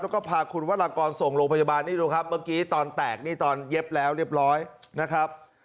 แล้วก็พาคุณวรากรส่งโรงพยาบาลนี่ดูครับเมื่อกี้ตอนแตกนี่ตอนเย็บแล้วเรียบร้อยนะครับ